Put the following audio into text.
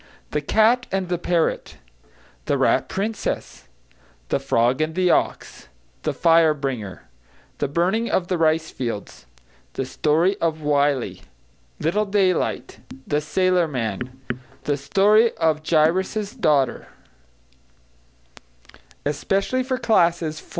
The Cat and the Parrot 168 The Rat Princess 172 The Frog and the Ox 175 The Fire Bringer 176 The Burning of the Ricefields 179 The Story of Wylie 182 Little Daylight 186 The Sailor Man 199 The Story of Jairus's Daughter 201 ESPECIALLY FOR CLASSES IV.